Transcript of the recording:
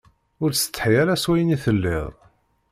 Ur ttsetḥi ara s wayen i telliḍ.